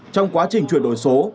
trong quá trình chuyển đổi số